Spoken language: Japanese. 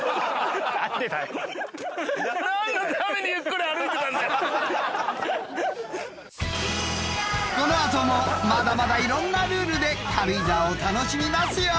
［この後もまだまだいろんなルールで軽井沢を楽しみますよ！］